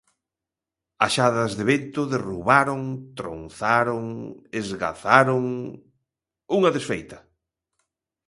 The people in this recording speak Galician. Axadas de vento derrubaron, tronzaron, esgazaron... unha desfeita!